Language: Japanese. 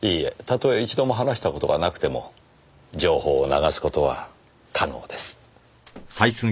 たとえ一度も話した事がなくても情報を流す事は可能です。